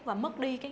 và mất đi cái